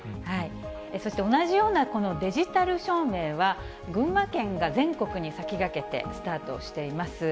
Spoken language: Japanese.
そして同じようなこのデジタル証明は、群馬県が全国に先駆けてスタートしています。